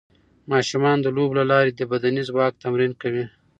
ماشومان د لوبو له لارې د بدني ځواک تمرین کوي.